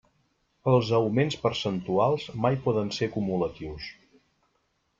Els augments percentuals mai no poden ser acumulatius.